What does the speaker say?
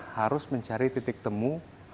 harus mencari titik temu